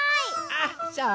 あっそう？